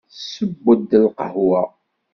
Tessew-d lqahwa.